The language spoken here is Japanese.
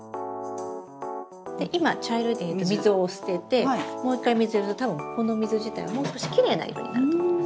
で今茶色い水を捨ててもう一回水やると多分この水自体はもう少しきれいな色になると思います。